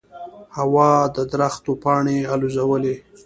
هوا د درختو پاڼې الوزولې.